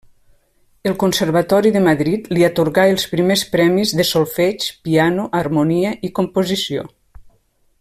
El Conservatori de Madrid li atorgà els primers premis de solfeig, piano, harmonia i composició.